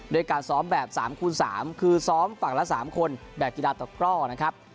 ด้วยการซ้อมแบบ๓คูณ๓คือซ้อมฝั่งละ๓คนแบบกีฬาตะกร่อนะครับ